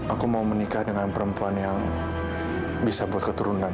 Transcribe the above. aku mau menikah dengan perempuan yang bisa berketurunan